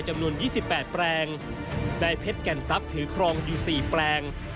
จำนวน๒๘แปลงได้เพชรแก่นทรัพย์ถือครองอยู่๔แปลง